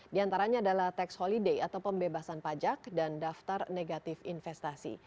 di antaranya adalah tax holiday atau pembebasan pajak dan daftar negatif investasi